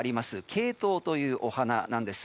ケイトウというお花なんです。